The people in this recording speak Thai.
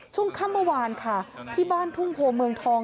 ช่วงค่ำเมื่อวานค่ะที่บ้านทุ่งโพเมืองทอง